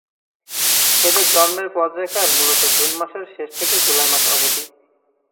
এদের জন্মের পর্যায়কাল মূলত জুন মাসের শেষ থেকে জুলাই মাস অবধি।